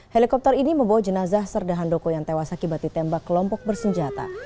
helikopter ini membawa jenazah serdah handoko yang tewas akibat ditembak kelompok bersenjata